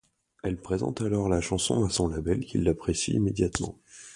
Elle présente alors la chanson à son label qui l'apprécie immédiatement.